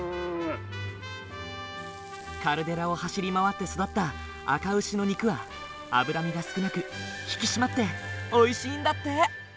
カルデラを走り回って育ったあか牛の肉は脂身が少なく引き締まっておいしいんだって。